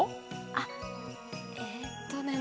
あっえっとね